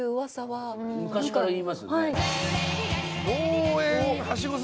はい。